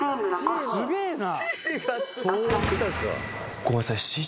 すげえな。